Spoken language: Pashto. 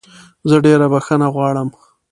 زه ډېره بخښنه غواړم.